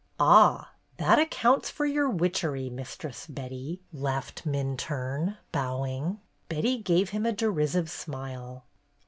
"Ah! That accounts for your witchery. Mistress Betty !" laughed Minturne, bowing. Betty gave him a derisive smile.